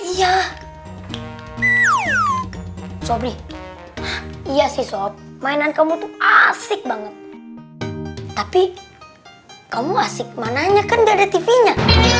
iya sobri iya sih sop mainan kamu tuh asik banget tapi kamu asik mananya kan gak ada tv nya